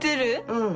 うん。